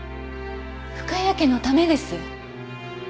深谷家のためです。